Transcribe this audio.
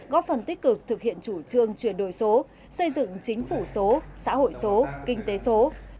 góp phần tích cực thực hiện chủ trương chuyển đổi số xây dựng chính phủ số xã hội số kinh tế số